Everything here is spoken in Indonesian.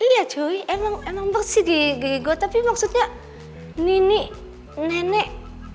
iya cuy emang bersih gigi gue tapi maksudnya nini nenek